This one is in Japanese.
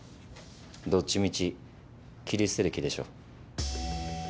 どっちみち切り捨てる気でしょ。